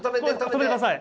止めてください。